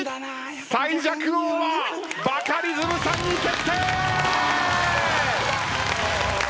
最弱王はバカリズムさんに決定！